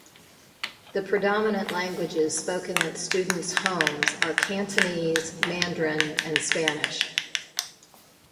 The predominant languages spoken at students' homes are Cantonese, Mandarin and Spanish.